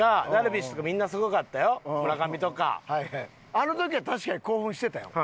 あの時は確かに興奮してたよ。